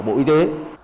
bộ y tế